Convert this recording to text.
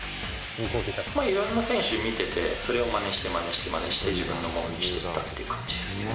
いろんな選手見てて、それをまねしてまねしてまねして、自分のものにしていったって感じですね。